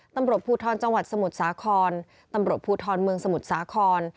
ตำรวจภูทรจังหวัดสมุทรสาครตำรวจภูทรเมืองสมุทรสาคร